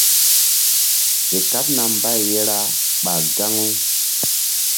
Fe kaɓna mbay ye ra ɓah gaŋu.